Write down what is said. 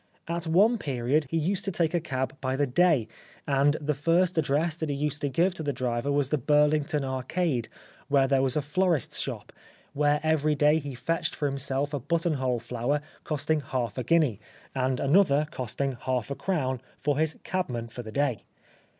At one period he used to take a cab by the day, and the first address that he used to give to the driver was the Burhngton Arcade where there was a florist's shop, where every day he fetched for himself a buttonhole flower costing half a guinea, and another costing half a crown for his 88 The Life of Oscar Wilde cabman for the day.